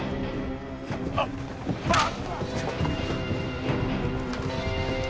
あっあぁ！